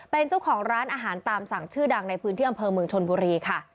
เป็นเจ้าของร้านอาหารตามสั่งชื่อดังในพื้นที่อำเภอเมืองชนบุรีค่ะ